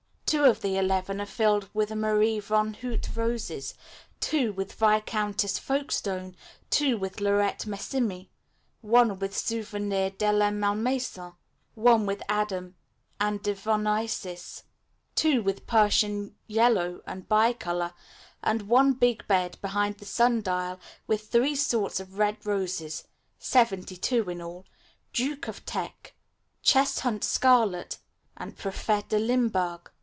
Two of the eleven are filled with Marie van Houtte roses, two with Viscountess Folkestone, two with Laurette Messimy, one with Souvenir de la Malmaison, one with Adam and Devoniensis, two with Persian Yellow and Bicolor, and one big bed behind the sun dial with three sorts of red roses (seventy two in all), Duke of Teck, Cheshunt Scarlet, and Prefet de Limburg.